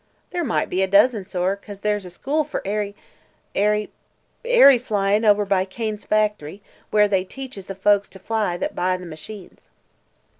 "There might be a dozen, sor, 'cause there's a school for airy airy airy flyin' over by Kane's facthry, where they teaches the folks to fly that buy the machines."